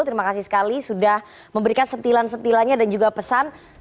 terima kasih sekali sudah memberikan sentilan sentilannya dan juga pesan